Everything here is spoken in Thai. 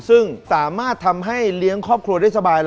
ซึ่งสามารถทำให้เลี้ยงครอบครัวได้สบาย